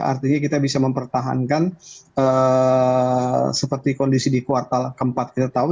artinya kita bisa mempertahankan seperti kondisi di kuartal keempat kita tahu